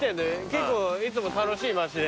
結構いつも楽しい町で。